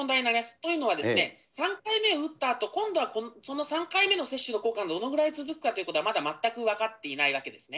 というのは、３回目を打ったあと、今度はその３回目の接種の効果がどのぐらい続くかということはまだ全く分かっていないわけですね。